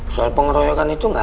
soal pengeroyokan itu gak ada pak